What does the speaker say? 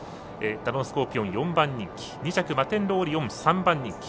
ダノンスコーピオン、４番人気２着、マテンロウオリオン３番人気。